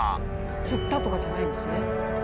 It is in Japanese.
つったとかじゃないんですね。